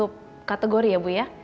satu kategori ya bu ya